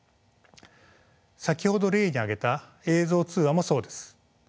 先ほど例に挙げた映像通話もそうです。